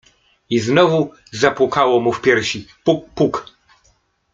I znowu zapukało mu w piersi: puk, puk!